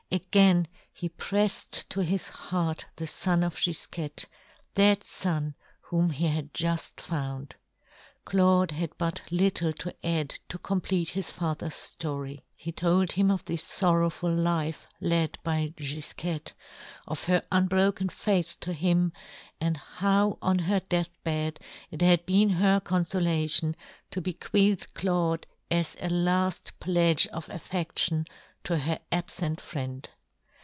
Again he prelfed to his heart the fon of Gifquette, that fon whom he had juft found. Claude had but little to add to complete his father's flory. 136 yohn Gutenberg. He told him of the forrowful life led by Gifquette, of her unbroken faith to him, and how on her death bed it had been her confolation to bequeath Claude as a laft pledge of affedtion to her abfent friend.